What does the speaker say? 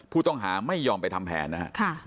ผู้ต้องหาไม่ยอมไปทำแผนนะครับ